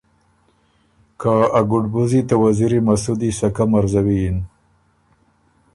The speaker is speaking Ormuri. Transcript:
که ا ګُډبُوزی ته وزیری مسُودی سکۀ مرزوی یِن۔